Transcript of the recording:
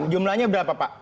jumlahnya berapa pak